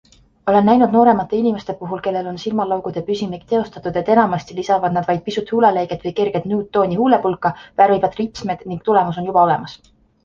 Olen näinud nooremate inimeste puhul, kellel on silmalaugude püsimeik teostatud, et enamasti lisavad nad vaid pisut huuleläiget või kerget nude tooni huulepulka, värvivad ripsmed ning tulemus on juba olemas.